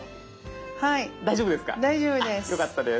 はい大丈夫です。